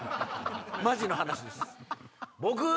マジの話です。